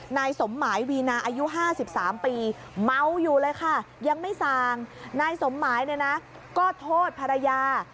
นายสมหมายวีนาอายุ๕๓ปีเมาอยู่เลยค่ะยังไม่สั่งนายสมหมายเนี่ยนะก็โทษภรรยา